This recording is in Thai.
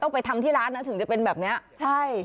ไปทำที่ร้านถึงจะเป็นแบบนี้